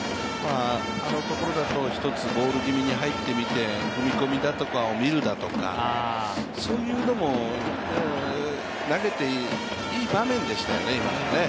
あのところだとひとつボール気味に入ってみて、踏み込みだとかを見るだとかそういうのも投げていい場面でしたよね、今のね